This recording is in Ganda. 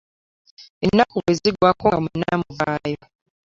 Ennaku bwe ziggwaako nga mwenna muvaayo.